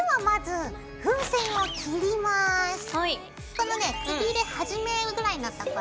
このねくびれ始めぐらいのところ。